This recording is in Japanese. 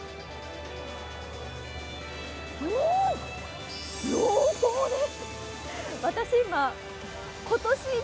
うーん、濃厚です！